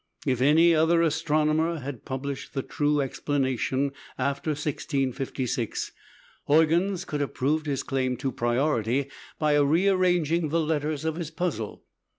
If any other astronomer had published the true explanation after 1656, Huygens could have proved his claim to priority by rearranging the letters of his puzzle.